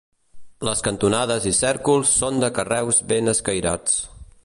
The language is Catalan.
Les cantonades i cèrcols són de carreus ben escairats.